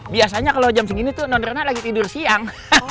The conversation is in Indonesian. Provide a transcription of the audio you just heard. biasanya kalau jam segini tuh nondrena lagi tidur siang